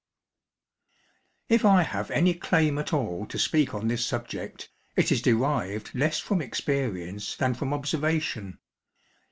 IF I have any claim at all to speak on this subject, it is derived less from experience than from observation.